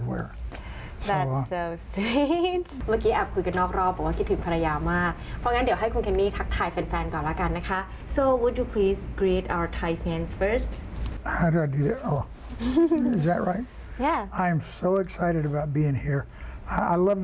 เพราะทั้งคู่ผู้เราอย่าปรับจริง